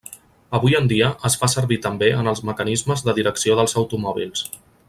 Avui en dia es fa servir també en els mecanismes de direcció dels automòbils.